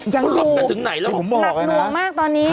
อย่างดูหนักหน่วงมากตอนนี้